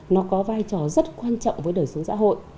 nó có vai trò rất quan trọng với đời sống xã hội